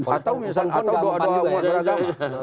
atau doa doa umat beragama